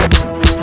terima kasih nek